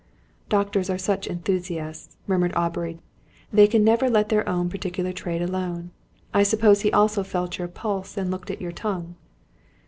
"Doctors are such enthusiasts," murmured Aubrey Treherne. "They can never let their own particular trade alone. I suppose he also felt your pulse and looked at your tongue."